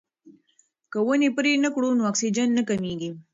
که ونې پرې نه کړو نو اکسیجن نه کمیږي.